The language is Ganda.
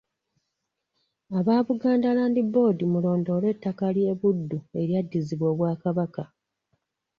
Aba Buganda Land Board mulondoole ettaka ly'e Buddu eryaddizibwa Obwakabaka.